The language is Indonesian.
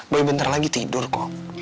bentar lagi tidur kok